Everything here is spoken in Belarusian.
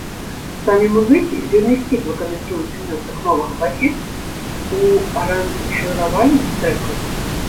Самі музыкі вельмі сціпла каментуюць унёсак новага басіста ў аранжыраванне трэкаў.